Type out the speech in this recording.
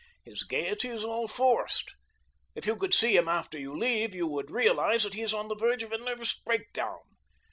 "His gaiety is all forced. If you could see him after you leave you would realize that he is on the verge of a nervous breakdown.